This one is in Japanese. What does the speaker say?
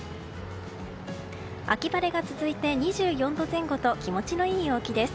秋晴れが続いて２４度前後と気持ちのいい陽気です。